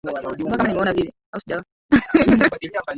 mwaka kutokana na matumizi ya dawa hizo